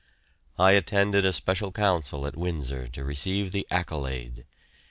I attended a special Council at Windsor to receive the "accolade."